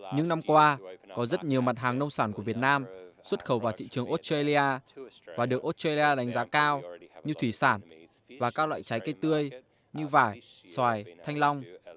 những năm qua có rất nhiều mặt hàng nông sản của việt nam xuất khẩu vào thị trường australia và được australia đánh giá cao như thủy sản và các loại trái cây tươi như vải xoài thanh long